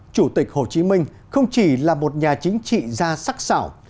chủ tịch hồ chí minh không chỉ là một nhà chính trị gia sắc xảo